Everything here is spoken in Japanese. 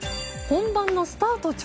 本番のスタート